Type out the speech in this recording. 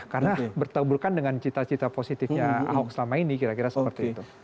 karena bertaburkan dengan cita cita positifnya ahok selama ini kira kira seperti itu